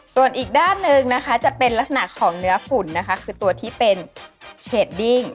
ส่วนอีกด้านหนึ่งนะคะจะเป็นลักษณะของเนื้อฝุ่นนะคะคือตัวที่เป็นเชดดิ้ง